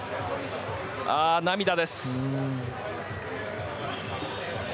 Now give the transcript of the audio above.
涙です。